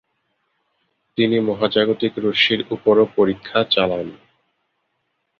তিনি মহাজাগতিক রশ্মির উপরও পরীক্ষা চালান।